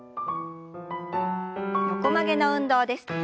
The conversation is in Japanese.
横曲げの運動です。